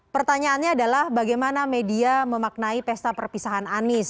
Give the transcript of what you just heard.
pertanyaannya adalah bagaimana media memaknai pesta perpisahan anies